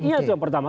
iya itu yang pertama